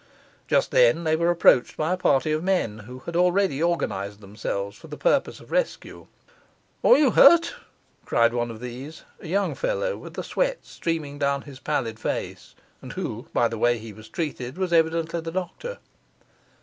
Just then they were approached by a party of men who had already organized themselves for the purposes of rescue. 'Are you hurt?' cried one of these, a young fellow with the sweat streaming down his pallid face, and who, by the way he was treated, was evidently the doctor.